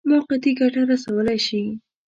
موقتي ګټه رسولای شي.